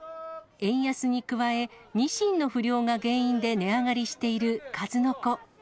円安に加え、ニシンの不漁が原因で値上がりしているかずのこ。